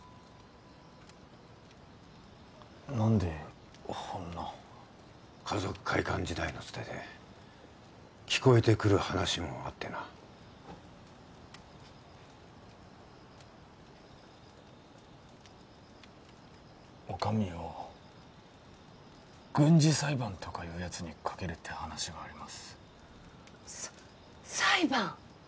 何でほんな華族会館時代のつてで聞こえてくる話もあってなお上を軍事裁判とかいうやつにかけるって話がありますさ裁判！？